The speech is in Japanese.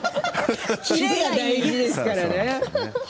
切れが大事ですからね。